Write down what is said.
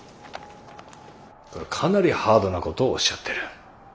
かなりハードなことをおっしゃってる。